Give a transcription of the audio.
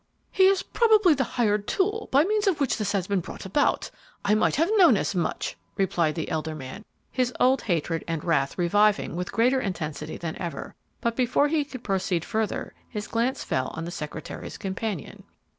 "He is probably the hired tool by means of which this has been brought about. I might have known as much!" replied the elder man, his old hatred and wrath reviving with greater intensity than ever, but before he could proceed further his glance fell on the secretary's companion.